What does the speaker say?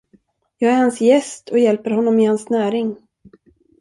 Jag är hans gäst och hjälper honom i hans näring.